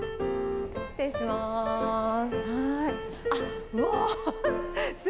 失礼します。